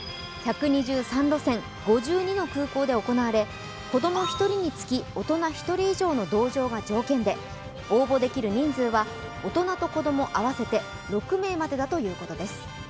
１２３路線・５２の空港で行われ子供１人につき大人１人以上の同乗が条件で応募できる人数は、大人と子ども合わせて６名までだということです。